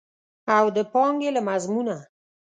او د پانګې له مضمونه.